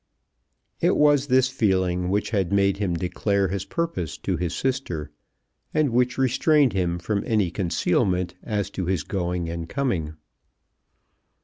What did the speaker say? It was this feeling which had made him declare his purpose to his sister, and which restrained him from any concealment as to his going and coming.